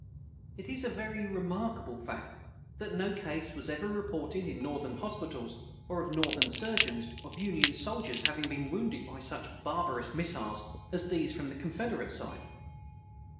It is a very remarkable fact that no case was ever reported in Northern hospitals, or by Northern surgeons, of Union soldiers having been wounded by such barbarous missiles as these from the Confederate side.